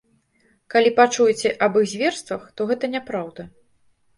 Калі пачуеце аб іх зверствах, то гэта няпраўда.